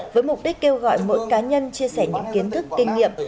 với mục đích kêu gọi mỗi cá nhân chia sẻ những kiến thức kinh nghiệm